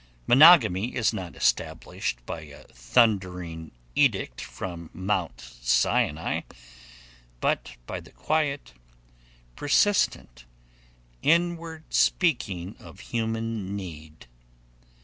Monogamy is not established by a thundering edict from Mount Sinai, but by the quiet, persistent inward speaking of human need.